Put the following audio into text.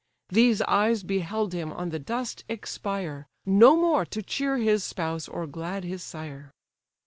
These eyes beheld him on the dust expire, No more to cheer his spouse, or glad his sire.